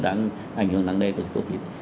ảnh hưởng nặng nề của covid